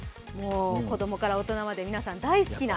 子供から大人まで皆さん大好きな。